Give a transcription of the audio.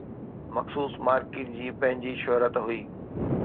مخصوص مارڪيٽ جي پنهنجي شهرت هئي.